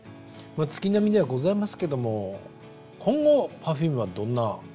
まあ月並みではございますけども今後Ｐｅｒｆｕｍｅはどんな３人でいたいか？